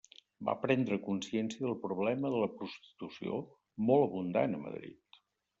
Va prendre consciència del problema de la prostitució, molt abundant a Madrid.